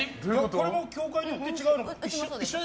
これも協会によって違うかな？